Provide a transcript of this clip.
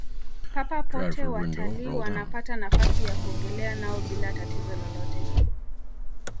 papa pote watalii wanapata nafasi ya kuogelea nao bila tatizo lolote